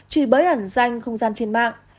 hẳn danh không gian trên mạng